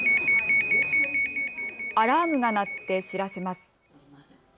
アラームが鳴って知らせます。